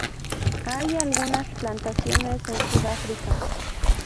Hay algunas plantaciones en Sudáfrica.